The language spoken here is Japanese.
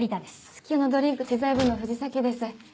月夜野ドリンク知財部の藤崎です。